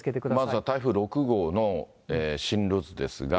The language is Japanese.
まずは台風６号の進路図ですが。